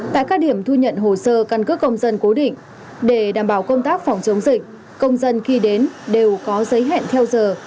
tại các điểm thu nhận hồ sơ căn cước công dân cố định để đảm bảo công tác phòng chống dịch công dân khi đến đều có giấy hẹn theo giờ